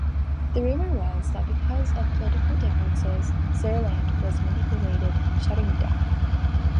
The rumour was that because of political differences Surland was manipulated in shutting down.